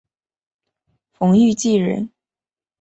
冯誉骥人。